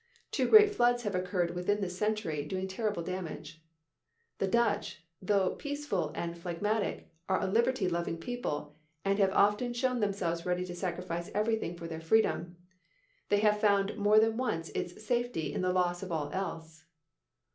Two great floods have occurred within this century, doing terrible damage. The Dutch, though peaceful and phlegmatic, are a liberty loving people, and have often shown themselves ready to sacrifice everything for their freedom. They have found more than once its safety in the loss of all else.